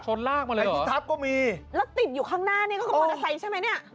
ลากมาเลยไอ้ที่ทับก็มีแล้วติดอยู่ข้างหน้านี่ก็คือมอเตอร์ไซค์ใช่ไหมเนี่ย